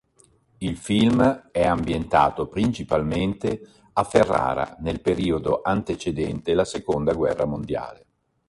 Il film è ambientato principalmente a Ferrara nel periodo antecedente la Seconda guerra mondiale.